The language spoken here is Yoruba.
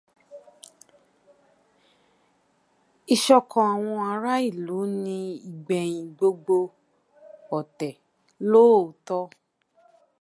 Ìṣọ̀kan àwọn ará ìlú ni ìgbẹ̀yìn gbogbo ọ̀tẹ̀ lóòótọ́.